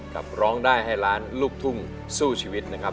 ร้องได้ให้ล้านลูกทุ่งสู้ชีวิตนะครับ